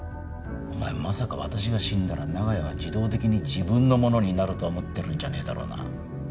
お前まさか私が死んだら長屋は自動的に自分のものになると思ってるんじゃねえだろうな？